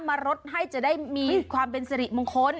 รดให้จะได้มีความเป็นสิริมงคล